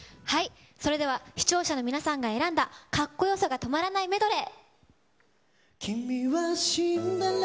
それでは視聴者の皆さんが選んだかっこよさが止まらないメドレー。